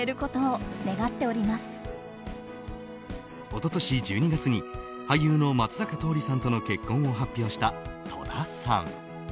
一昨年１２月に俳優の松坂桃李さんとの結婚を発表した戸田さん。